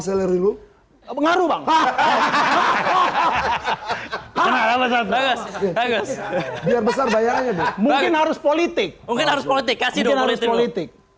selerilu pengaruh bang hahaha hahaha hahaha biar besar bayarnya mungkin harus politik politik